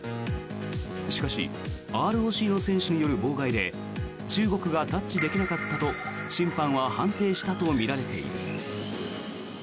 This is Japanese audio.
しかしＲＯＣの選手による妨害で中国がタッチできなかったと審判は判定したとみられている。